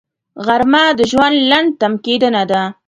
غرمه د ژوند لنډ تم کېدنه ده